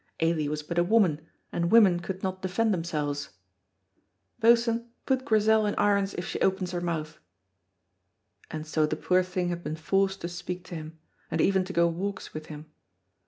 Ailie was but a woman, and women could not defend themselves "(Boatswain, put Grizel in irons if she opens her mouth)," and so the poor thing had been forced to speak to him, and even to go walks with him.